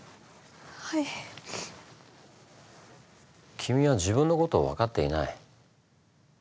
君は自分のことを分かっていない。